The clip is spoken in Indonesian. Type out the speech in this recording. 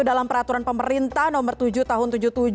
dalam peraturan pemerintah nomor tujuh tahun tujuh puluh tujuh